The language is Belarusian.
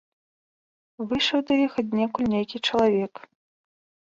Выйшаў да іх аднекуль нейкі чалавек.